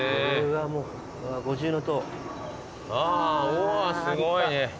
おおすごいね。